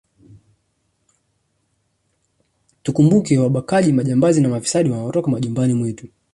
Tukumbuke wabakaji majambazi na mafisadi wanatoka majumbani mwetu